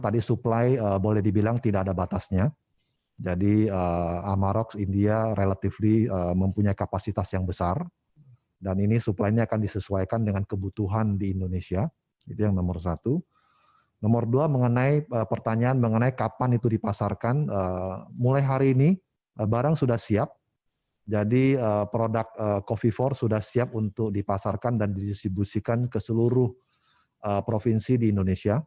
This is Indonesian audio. dipasarkan dan didistribusikan ke seluruh provinsi di indonesia